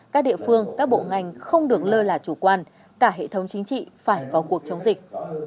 các địa phương các bộ ngành không được lơ là chủ quan cả hệ thống chính trị phải vào cuộc chống dịch